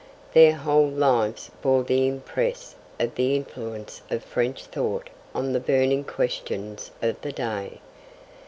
Their whole lives bore the impress of the influence of French thought on the burning questions of the day.